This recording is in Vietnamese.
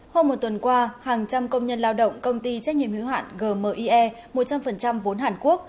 hôm một tuần qua hàng trăm công nhân lao động công ty trách nhiệm hữu hạn gmie một trăm linh vốn hàn quốc